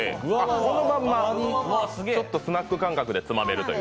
このまま、ちょっとスナック感覚でつまめるという。